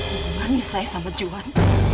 hubungannya saya sama juan